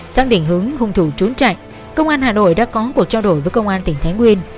xác định hướng hung thủ trốn chạy công an hà nội đã có cuộc trao đổi với công an tỉnh thái nguyên